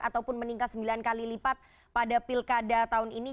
ataupun meningkat sembilan kali lipat pada pilkada tahun ini